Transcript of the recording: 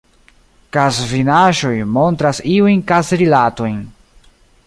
Kazfinaĵoj montras iujn kazrilatojn.